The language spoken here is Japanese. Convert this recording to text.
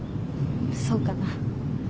そうかな。